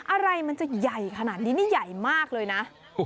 อะไรมันจะใหญ่ขนาดนี้นี่ใหญ่มากเลยนะ